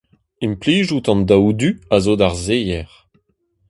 Implijout an daou du a zo d'ar seier.